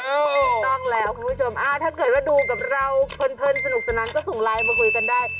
ถูกต้องแล้วคุณผู้ชมถ้าเกิดว่าดูกับเราเพลินสนุกสนานก็ส่งไลน์มาคุยกันได้